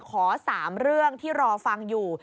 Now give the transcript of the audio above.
ขอ๓เรื่องที่รอฟังอยู่